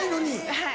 はい。